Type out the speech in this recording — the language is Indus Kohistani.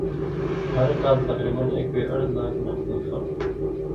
ہر کال تقریبا اېکُوئ اڑ لاک نہ بُوئ خلکہ